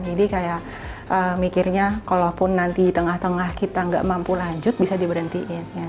jadi kayak mikirnya kalaupun nanti tengah tengah kita nggak mampu lanjut bisa diberhentiin